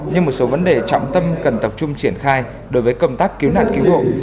nhưng một số vấn đề trọng tâm cần tập trung triển khai đối với công tác cứu nạn cứu hộ